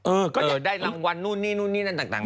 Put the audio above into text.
ก็จะได้รางวัลนู่นนี่นู่นนี่นั่นต่าง